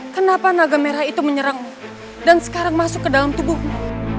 kenapa naga merah itu menyerangmu dan sekarang masuk ke dalam tubuhmu